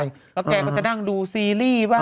แล้วแกก็จะนั่งดูซีรีส์บ้าง